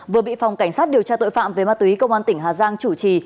vừa bị phòng cảnh sát điều tra tội phạm về ma túy công an tỉnh hà giang chủ trì